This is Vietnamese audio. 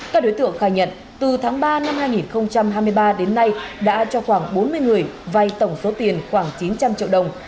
các đối tượng khai nhận từ tháng ba năm hai nghìn hai mươi ba đến nay đã cho khoảng bốn mươi người vay tổng số tiền khoảng chín trăm linh triệu đồng